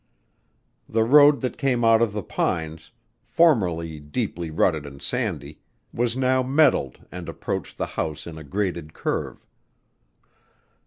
The road that came out of the pines, formerly deeply rutted and sandy, was now metaled and approached the house in a graded curve.